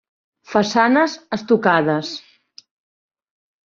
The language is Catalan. Façanes estucades.